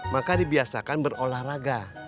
maka dibiasakan berolahraga